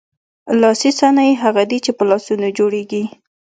لاسي صنایع هغه دي چې په لاسونو جوړیږي.